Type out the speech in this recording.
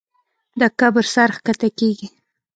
د کبر سر ښکته کېږي.